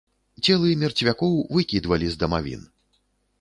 Целы мерцвякоў выкідвалі з дамавін.